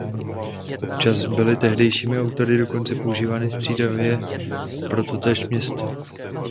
Občas byly tehdejšími autory dokonce používány střídavě pro totéž město.